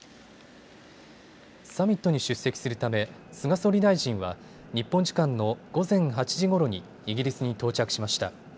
サミットに出席するため菅総理大臣は日本時間の午前８時ごろにイギリスに到着しました。